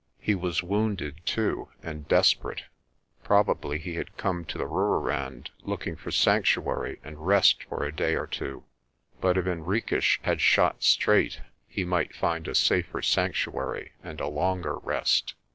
He was wounded, too, and desperate. Probably he had come to the Rooirand looking for sanctuary and rest for a day or two, but if Henriques had shot straight he might find a safer sanctuary and a longer rest.